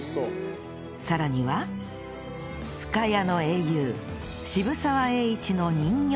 さらには深谷の英雄渋沢栄一の人形焼も